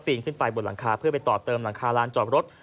ขึ้นไปบนหลังคาเพื่อไปต่อเติมหลังคาลานจอดรถ